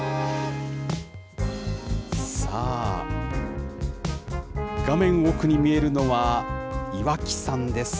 さあ、画面奥に見えるのは、岩木山です。